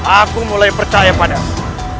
aku mulai percaya padamu